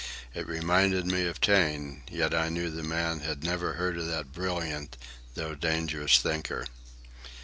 It reminded me of Taine, yet I knew the man had never heard of that brilliant though dangerous thinker.